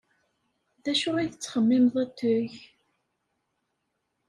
D acu ay tettxemmimeḍ ad t-teg?